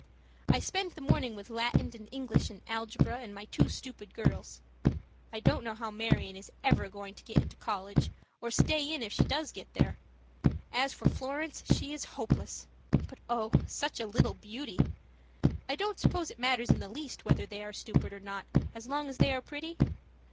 I spend the morning with Latin and English and algebra and my two stupid girls. I don't know how Marion is ever going to get into college, or stay in after she gets there. And as for Florence, she is hopeless but oh! such a little beauty. I don't suppose it matters in the least whether they are stupid or not so long as they are pretty?